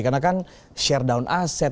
karena kan share down aset